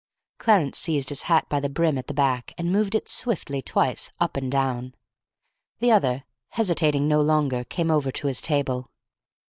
Clarence seized his hat by the brim at the back, and moved it swiftly twice up and down. The other, hesitating no longer, came over to his table.